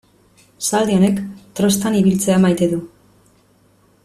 Zaldi horrek trostan ibiltzea maite du.